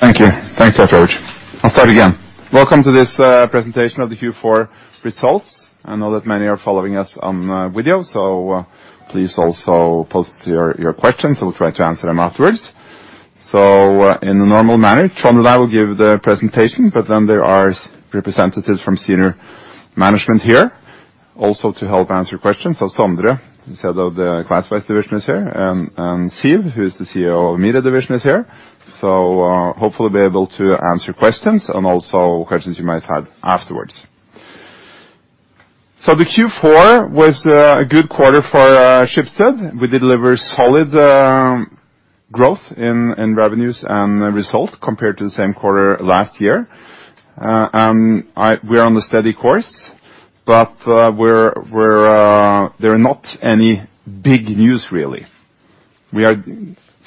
Thank you. Thanks, George. I'll start again. Welcome to this presentation of the Q4 results. I know that many are following us on video, so please also post your questions and we'll try to answer them afterwards. In the normal manner, Trond and I will give the presentation, but then there are representatives from senior management here also to help answer your questions. Sondre, the Head of the Classifieds division is here, and Siv, who is the CEO of Media division, is here. Hopefully be able to answer questions and also questions you might have afterwards. The Q4 was a good quarter for Schibsted. We delivered solid growth in revenues and result compared to the same quarter last year. We're on the steady course, but there are not any big news, really. We are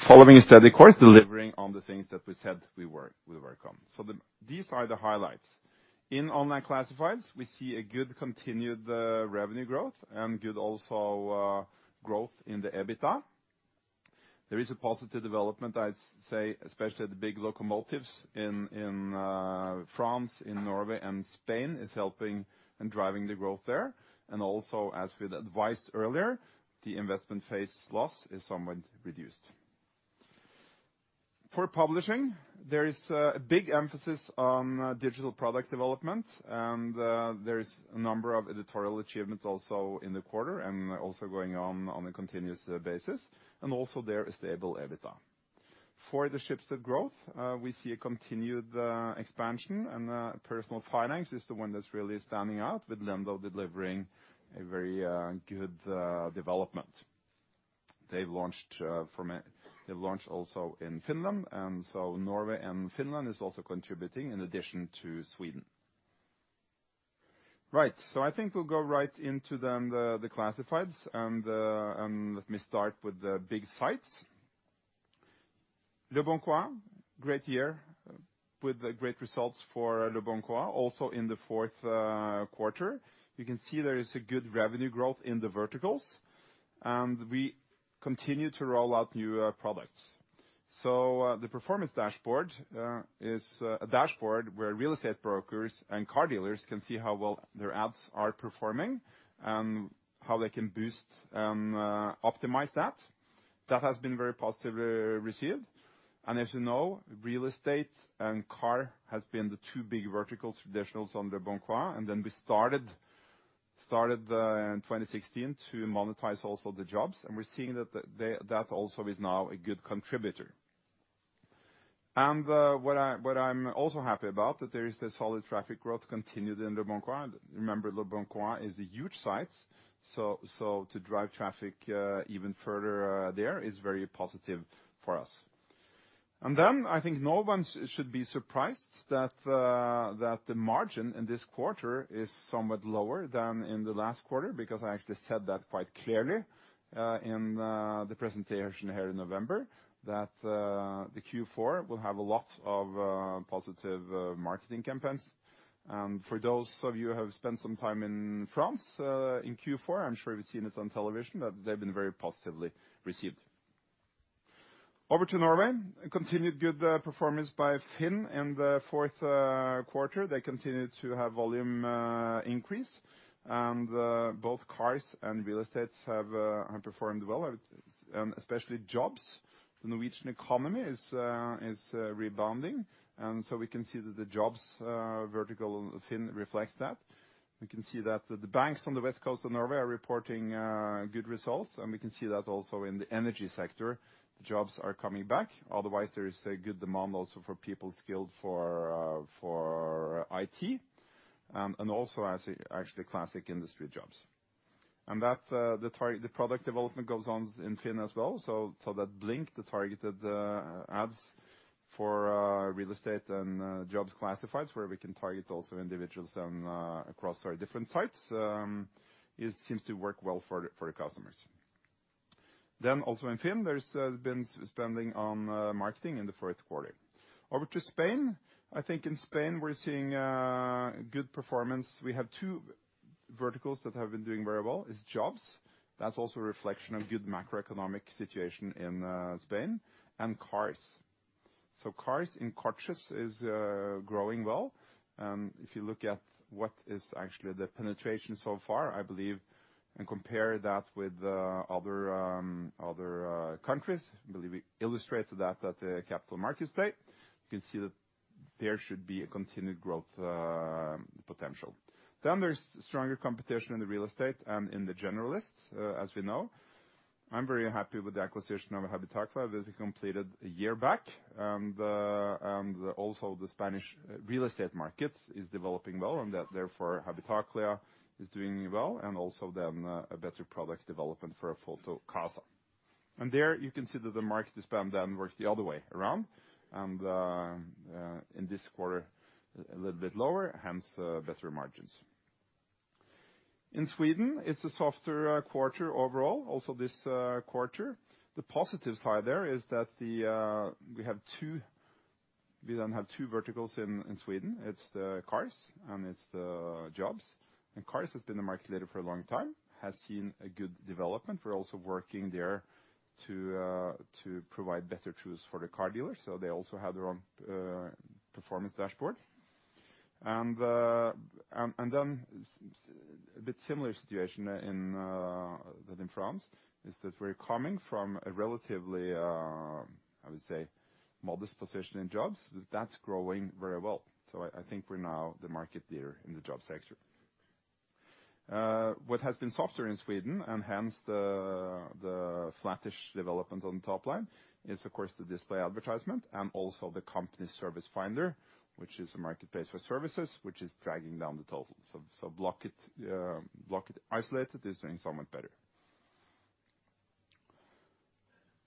following a steady course, delivering on the things that we said we were on. These are the highlights. In online classifieds, we see a good continued revenue growth and good also growth in the EBITDA. There is a positive development, I'd say especially the big locomotives in France, in Norway, and Spain is helping in driving the growth there. Also as we had advised earlier, the investment phase loss is somewhat reduced. For publishing, there is a big emphasis on digital product development. There is a number of editorial achievements also in the quarter and also going on a continuous basis, and also there a stable EBITDA. For the Schibsted Growth, we see a continued expansion and personal finance is the one that's really standing out with Lendo delivering a very good development. They've launched also in Finland, Norway and Finland is also contributing in addition to Sweden. Right. I think we'll go right into then the classifieds and let me start with the big sites. Leboncoin, great year with great results for Leboncoin also in the fourth quarter. You can see there is a good revenue growth in the verticals, and we continue to roll out new products. The performance dashboard is a dashboard where real estate brokers and car dealers can see how well their ads are performing and how they can boost and optimize that. That has been very positively received. As you know, real estate and car has been the two big verticals traditional on Leboncoin. Then we started the, in 2016 to monetize also the jobs, and we're seeing that also is now a good contributor. What I'm also happy about that there is the solid traffic growth continued in Leboncoin. Remember, Leboncoin is a huge site, so to drive traffic even further, there is very positive for us. Then I think no one should be surprised that the margin in this quarter is somewhat lower than in the last quarter because I actually said that quite clearly in the presentation here in November, that the Q4 will have a lot of positive marketing campaigns. For those of you who have spent some time in France, in Q4, I'm sure you've seen it on television, that they've been very positively received. Over to Norway. Continued good performance by FINN in the fourth quarter. They continued to have volume increase, and both cars and real estates have performed well, and especially jobs. The Norwegian economy is rebounding, and so we can see that the jobs vertical FINN reflects that. We can see that the banks on the west coast of Norway are reporting good results, and we can see that also in the energy sector, jobs are coming back. Otherwise, there is a good demand also for people skilled for IT, and actually classic industry jobs. That the product development goes on in FINN as well. That Blink, the targeted ads for real estate and jobs classifieds, where we can target also individuals and across our different sites, it seems to work well for the customers. Also in FINN, there's been spending on marketing in the fourth quarter. Over to Spain. I think in Spain, we're seeing good performance. We have two verticals that have been doing very well, is jobs. That's also a reflection of good macroeconomic situation in Spain, and cars. Cars in Coche is growing well. If you look at what is actually the penetration so far, I believe, and compare that with other other countries, I believe we illustrated that at the capital markets day. You can see that there should be a continued growth potential. There's stronger competition in the real estate and in the generalists, as we know. I'm very happy with the acquisition of Habitaclia that we completed a year back. Also the Spanish real estate markets is developing well and that therefore Habitaclia is doing well and also then a better product development for Fotocasa. There you can see that the market spend then works the other way around, and in this quarter a little bit lower, hence, better margins. In Sweden, it's a softer quarter overall, also this quarter. The positive side there is that we have two, we then have two verticals in Sweden. It's the cars and it's the jobs. Cars has been the market leader for a long time, has seen a good development. We're also working there to provide better tools for the car dealers, so they also have their own performance dashboard. A bit similar situation in than in France, is that we're coming from a relatively I would say modest position in jobs. That's growing very well. I think we're now the market leader in the job sector. What has been softer in Sweden, and hence the flattish development on the top line is of course the display advertisement and also the company Servicefinder, which is a marketplace for services which is dragging down the total. Blocket isolated is doing somewhat better.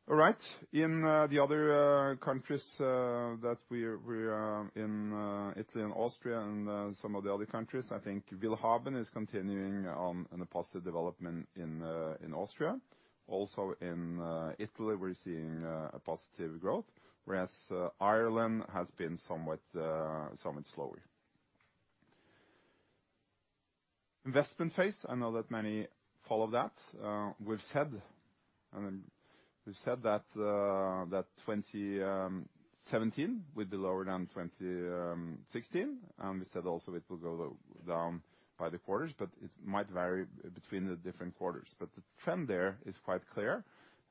All right. In the other countries that we're, we, in Italy and Austria and some of the other countries, I think Willhaben is continuing on in a positive development in Austria. Also in Italy, we're seeing a positive growth, whereas Ireland has been somewhat slower. Investment phase, I know that many follow that. We've said, we've said that 2017 would be lower than 2016. We said also it will go low, down by the quarters, but it might vary between the different quarters. The trend there is quite clear,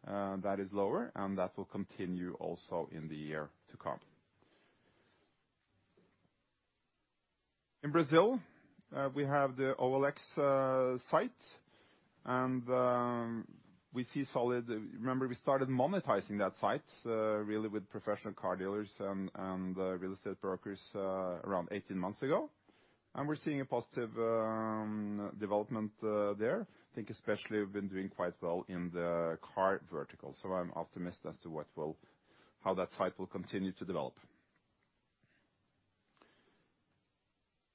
that is lower, and that will continue also in the year to come. In Brazil, we have the OLX site, and we see solid... Remember we started monetizing that site, really with professional car dealers and real estate brokers, around 18 months ago. We're seeing a positive development there. I think especially we've been doing quite well in the car vertical, so I'm optimist as to how that site will continue to develop.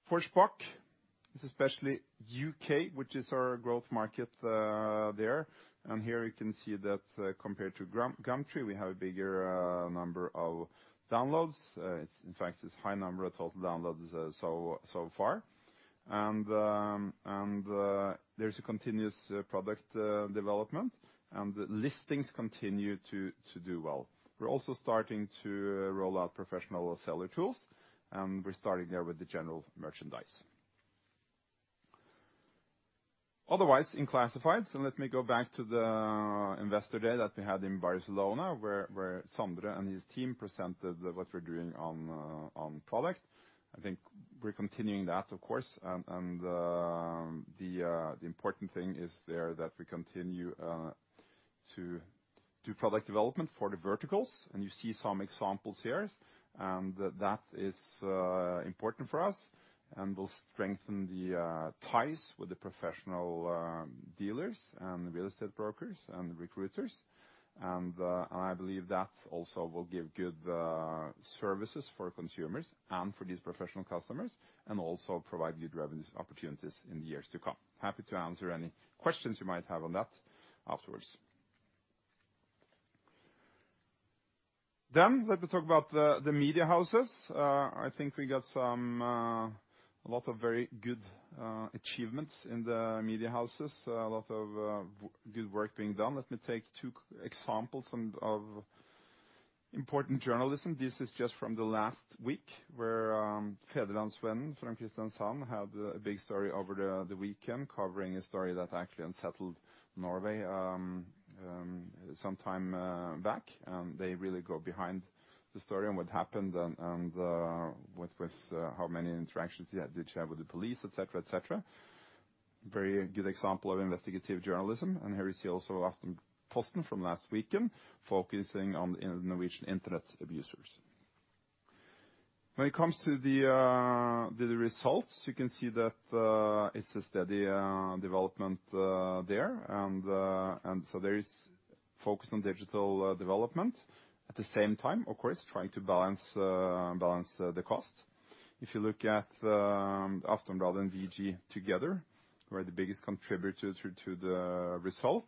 For Shpock, it's especially U.K., which is our growth market there. Here you can see that, compared to Gumtree, we have a bigger number of downloads. It's in fact it's high number of total downloads so far. There's a continuous product development, and the listings continue to do well. We're also starting to roll out professional seller tools, and we're starting there with the general merchandise. Otherwise, in classifieds, let me go back to the investor day that we had in Barcelona, where Sondre and his team presented what we're doing on product. I think we're continuing that, of course. The important thing is there that we continue to do product development for the verticals. You see some examples here, and that is important for us. We'll strengthen the ties with the professional dealers and real estate brokers and recruiters. I believe that also will give good services for consumers and for these professional customers and also provide good revenue opportunities in the years to come. Happy to answer any questions you might have on that afterwards. Let me talk about the media houses. I think we got some, a lot of very good achievements in the media houses, a lot of good work being done. Let me take two examples and of important journalism. This is just from the last week where Fædrelandsvennen from Kristiansand had a big story over the weekend covering a story that actually unsettled Norway, some time back. They really go behind the story on what happened and with how many interactions he had, did share with the police, et cetera, et cetera. Very good example of investigative journalism. Here you see also Aftenposten from last weekend focusing on the Norwegian internet abusers. When it comes to the results, you can see that it's a steady development there. There is focus on digital development. At the same time, of course, trying to balance the cost. If you look at Aftonbladet and VG together, who are the biggest contributor to the result,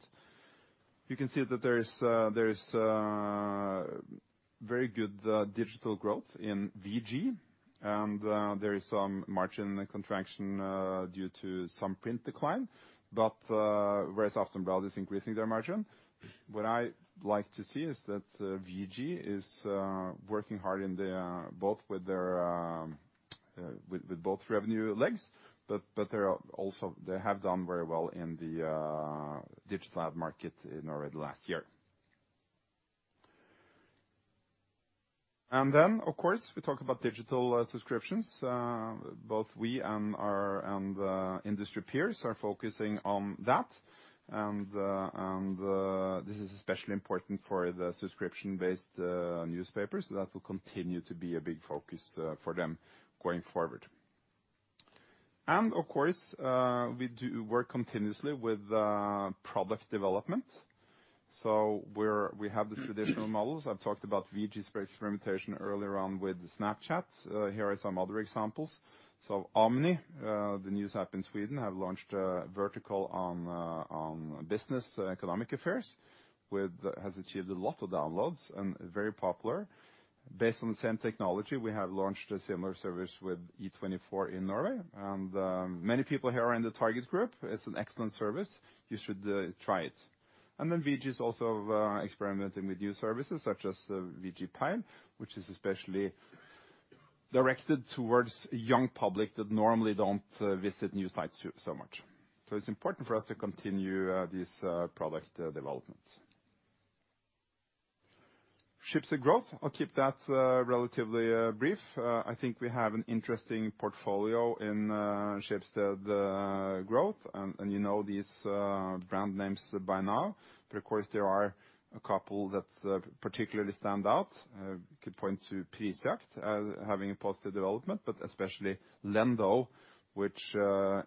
you can see that there is very good digital growth in VG. There is some margin contraction due to some print decline. Whereas Aftonbladet is increasing their margin. What I like to see is that VG is working hard in the, both with their with both revenue legs, but they are also they have done very well in the digital ad market in already last year. Then, of course, we talk about digital subscriptions. Both we and our, and industry peers are focusing on that. This is especially important for the subscription-based newspapers. That will continue to be a big focus for them going forward. Of course, we do work continuously with product development. We have the traditional models. I've talked about VG's experimentation earlier on with Snapchat. Here are some other examples. Omni, the news app in Sweden, have launched a vertical on business economic affairs, has achieved a lot of downloads and very popular. Based on the same technology, we have launched a similar service with E24 in Norway. Many people here are in the target group. It's an excellent service. You should try it. VG is also experimenting with new services such as VG Pay, which is especially directed towards young public that normally don't visit new sites so much. It's important for us to continue this product development. Schibsted Growth. I'll keep that relatively brief. I think we have an interesting portfolio in Schibsted Growth, and you know these brand names by now. Of course there are a couple that particularly stand out. Could point to Prisjakt as having a positive development, but especially Lendo, which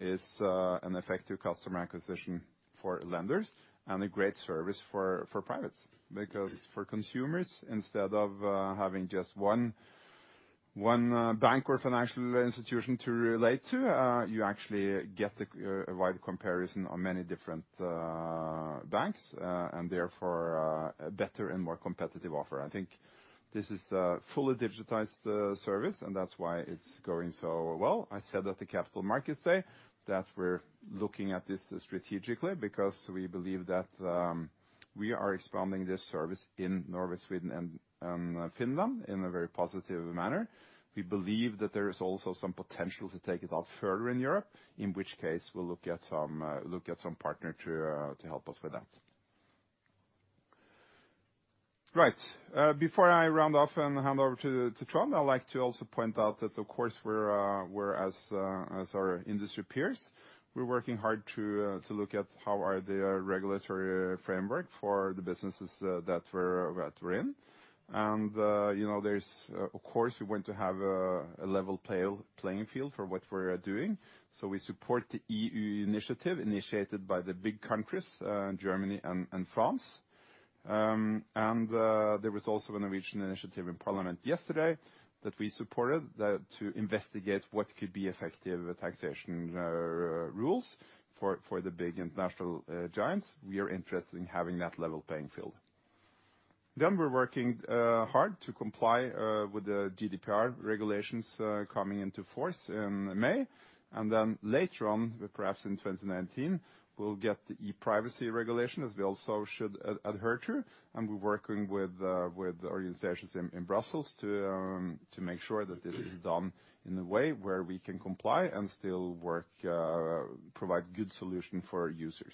is an effective customer acquisition for lenders and a great service for privates. Because for consumers, instead of having just one bank or financial institution to relate to, you actually get a wide comparison on many different banks. Therefore, a better and more competitive offer. I think this is a fully digitized service, and that's why it's going so well. I said at the Capital Markets Day that we're looking at this strategically because we believe that we are expanding this service in Norway, Sweden, and Finland in a very positive manner. We believe that there is also some potential to take it out further in Europe, in which case we'll look at some partner to help us with that. Right. Before I round off and hand over to Trond, I'd like to also point out that of course we're as our industry peers, we're working hard to look at how are the regulatory framework for the businesses that we're in. You know, of course we want to have a level playing field for what we're doing, so we support the EU initiative initiated by the big countries, Germany and France. There was also a Norwegian initiative in parliament yesterday that we supported to investigate what could be effective taxation rules for the big international giants. We are interested in having that level playing field. We're working hard to comply with the GDPR regulations coming into force in May. Later on, perhaps in 2019, we'll get the ePrivacy Regulation, as we also should adhere to. We're working with organizations in Brussels to make sure that this is done in a way where we can comply and still work, provide good solution for our users.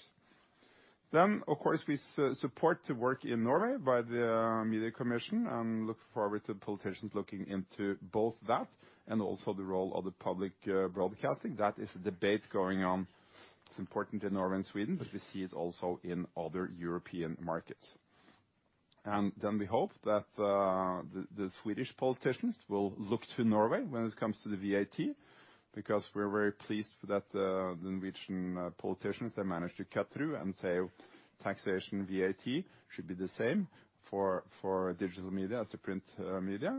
Of course, we support the work in Norway by the Media Commission and look forward to politicians looking into both that and also the role of the public broadcasting. That is a debate going on. It's important in Norway and Sweden, but we see it also in other European markets. We hope that the Swedish politicians will look to Norway when it comes to the VAT, because we're very pleased that the Norwegian politicians, they managed to cut through and say taxation VAT should be the same for digital media as the print media.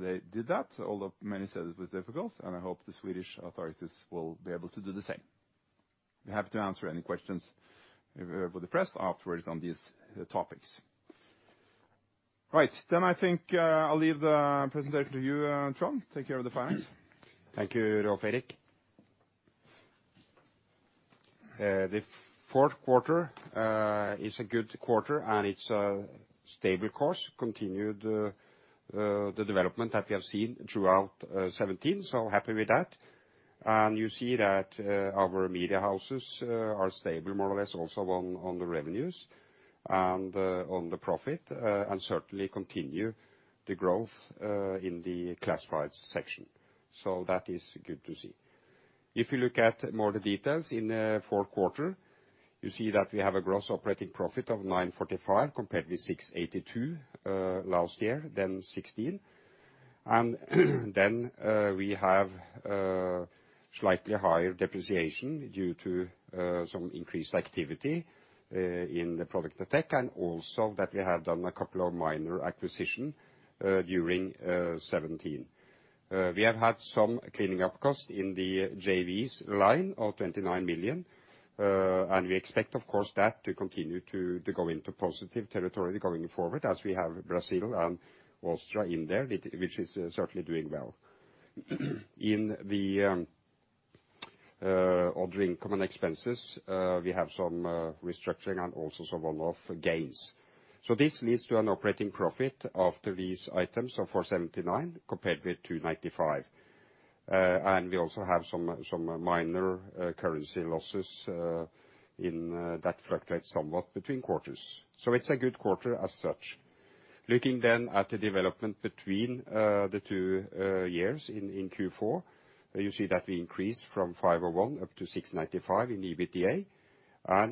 They did that, although many said it was difficult, and I hope the Swedish authorities will be able to do the same. We have to answer any questions for the press afterwards on these topics. Right. I think I'll leave the presentation to you, Trond. Take care of the finance. Thank you, Rolv Erik. The fourth quarter is a good quarter and it's a stable course, continued the development that we have seen throughout 2017, happy with that. You see that our media houses are stable more or less also on the revenues and on the profit, and certainly continue the growth in the classifieds section. That is good to see. If you look at more of the details in the fourth quarter, you see that we have a gross operating profit of 945 compared with 682 last year than 2016. We have slightly higher depreciation due to some increased activity in the product tech, and also that we have done a couple of minor acquisition during 2017. We have had some cleaning-up cost in the JVs line of 29 million, and we expect of course that to continue to go into positive territory going forward as we have Brazil and Austria in there, which is certainly doing well. In the other income and expenses, we have some restructuring and also some one-off gains. This leads to an operating profit after these items of 479 compared with 295. We also have some minor currency losses in that fluctuates somewhat between quarters. It's a good quarter as such. Looking then at the development between the two years in Q4, you see that we increased from 501 up to 695 in EBITDA.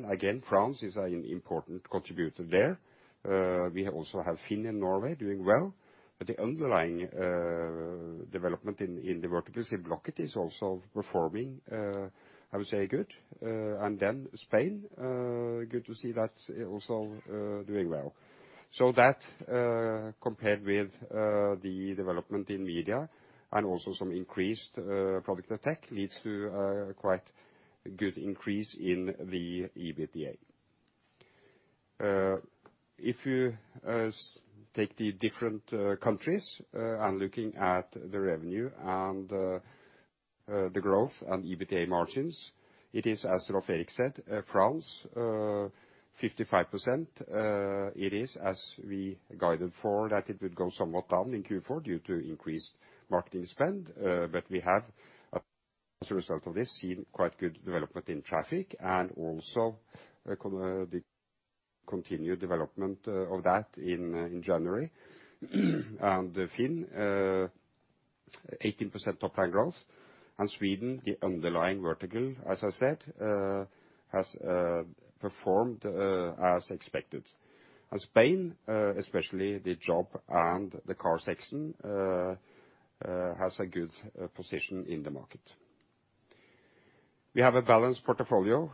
Again, France is an important contributor there. We also have Finland, Norway doing well. The underlying development in the verticals, Blocket is also performing, I would say, good. Then Spain, good to see that also doing well. That, compared with the development in media and also some increased product tech leads to a quite good increase in the EBITDA. If you take the different countries and looking at the revenue and the growth and EBITDA margins, it is as Rolv Erik said, France, 55%. It is as we guided for that it would go somewhat down in Q4 due to increased marketing spend. We have as a result of this seen quite good development in traffic and also the continued development of that in January. FINN, 18% top line growth. Sweden, the underlying vertical, as I said, has performed as expected. Spain, especially the job and the car section, has a good position in the market. We have a balanced portfolio.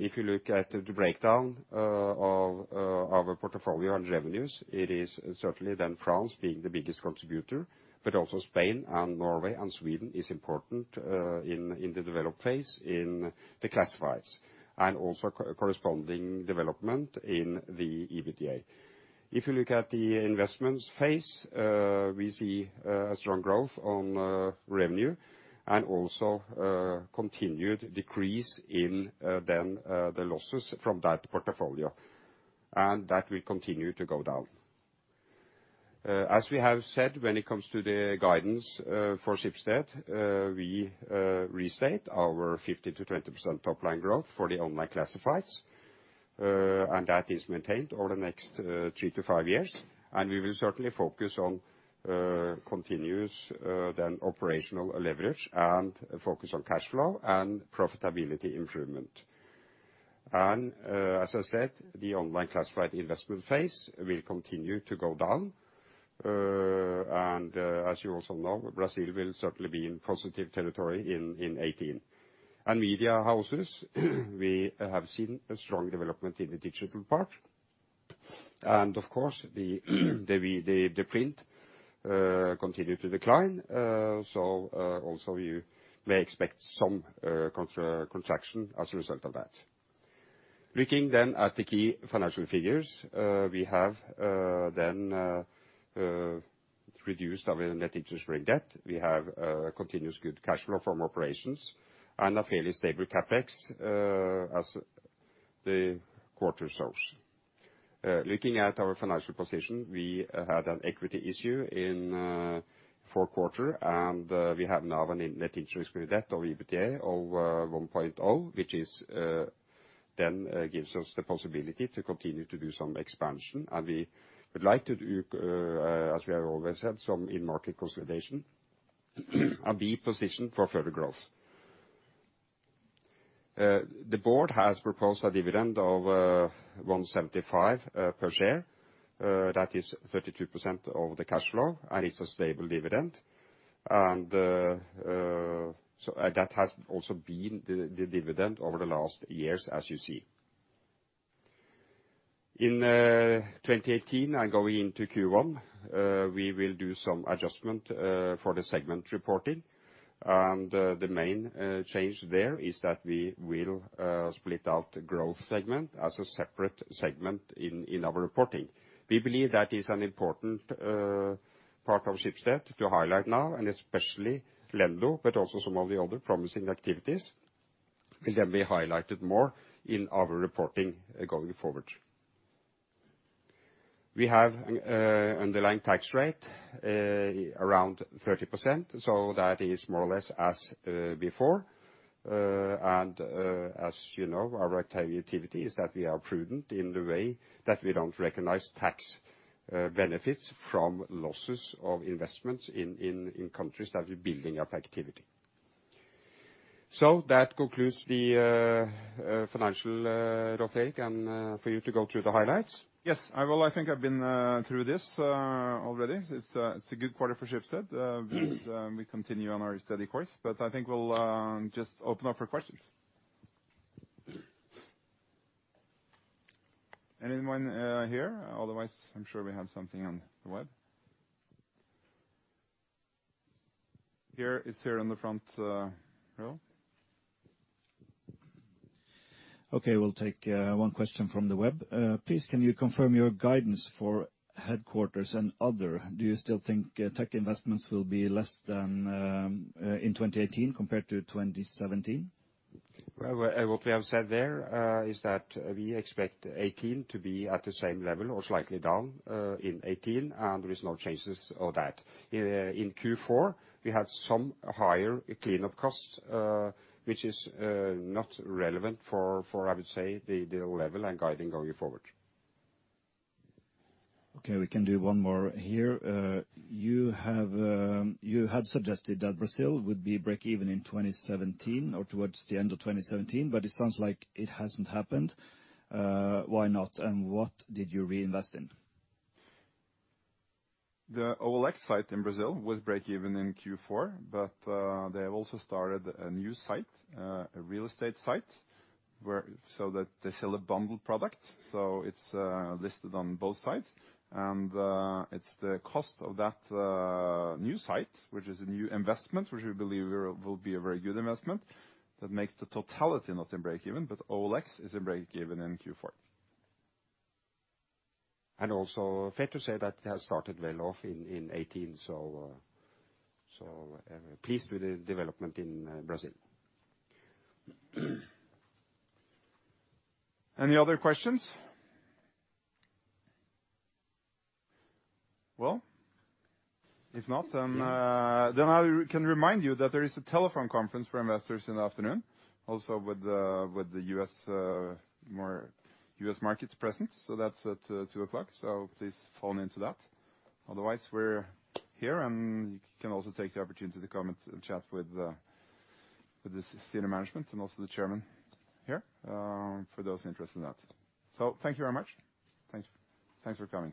If you look at the breakdown of our portfolio and revenues, it is certainly then France being the biggest contributor. Also Spain and Norway and Sweden is important in the develop phase in the classifieds. Also corresponding development in the EBITDA. If you look at the investments phase, we see a strong growth on revenue and also continued decrease in then the losses from that portfolio. That will continue to go down. As we have said, when it comes to the guidance for Schibsted, we restate our 15%-20% top line growth for the online classifieds. That is maintained over the next three to five years. We will certainly focus on continuous then operational leverage and focus on cash flow and profitability improvement. As I said, the online classified investment phase will continue to go down. As you also know, Brazil will certainly be in positive territory in 2018. Media houses, we have seen a strong development in the digital part. Of course, the print continue to decline. Also you may expect some contra-contraction as a result of that. Looking then at the key financial figures. We have reduced our net interest-bearing debt. We have continuous good cash flow from operations and a fairly stable CapEx as the quarter shows. Looking at our financial position, we had an equity issue in Q4. We have now a net interest-bearing debt of EBITDA of 1.0, which gives us the possibility to continue to do some expansion. We would like to do, as we have always said, some in market consolidation and be positioned for further growth. The board has proposed a dividend of 1.75 per share. That is 32% of the cash flow and is a stable dividend. That has also been the dividend over the last years, as you see. In 2018 and going into Q1, we will do some adjustment for the segment reporting. The main change there is that we will split out Growth segment as a separate segment in our reporting. We believe that is an important part of Schibsted to highlight now, and especially Lendo, but also some of the other promising activities will then be highlighted more in our reporting going forward. We have underlying tax rate around 30%, so that is more or less as before. As you know, our activity is that we are prudent in the way that we don't recognize tax benefits from losses of investments in countries that we're building up activity. That concludes the financial Rolv Erik, and for you to go through the highlights. Yes. I will. I think I've been through this already. It's a good quarter for Schibsted. We continue on our steady course. I think we'll just open up for questions. Anyone here? Otherwise, I'm sure we have something on the web. Here, it's here on the front row. Okay, we'll take one question from the web. Please can you confirm your guidance for headquarters and other? Do you still think tech investments will be less than in 2018 compared to 2017? Well, what we have said there, is that we expect 2018 to be at the same level or slightly down, in 2018. There is no changes of that. In Q4, we had some higher cleanup costs, which is not relevant for, I would say, the level and guiding going forward. Okay, we can do one more here. You had suggested that Brazil would be break even in 2017 or towards the end of 2017, but it sounds like it hasn't happened. Why not? What did you reinvest in? The OLX site in Brazil was break even in Q4, but they have also started a new site, a real estate site where. They sell a bundled product. It's listed on both sites. It's the cost of that new site, which is a new investment, which we believe will be a very good investment that makes the totality not in break even, but OLX is in break even in Q4. Also fair to say that it has started well off in 2018. Pleased with the development in Brazil. Any other questions? If not, I can remind you that there is a telephone conference for investors in the afternoon also with the U.S., more U.S. markets present. That's at 2:00 P.M. Please phone into that. Otherwise, we're here and you can also take the opportunity to come and chat with the senior management and also the chairman here for those interested in that. Thank you very much. Thanks for coming.